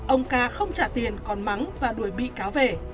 ông ca không trả tiền còn mắng và đuổi bị cáo về